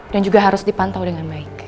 dan juga harus dipantau dengan baik